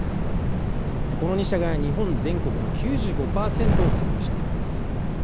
この２社が、日本全国の９５％を保有しているんです。